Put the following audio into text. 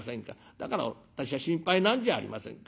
だから私は心配なんじゃありませんか。